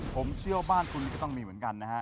ผมเชี่ยวบ้านคุณก็ต้องมีเหมือนกัน